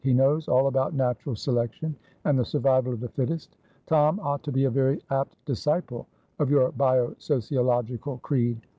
He knows all about natural selection, and the survival of the fittest. Tom ought to be a very apt disciple of your bio sociological creed.